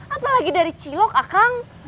apalagi dari cilok akang